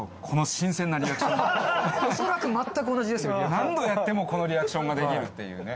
何度やってもこのリアクションができるっていうね。